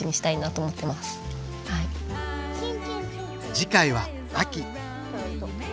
次回は秋。